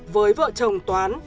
với vợ chồng toán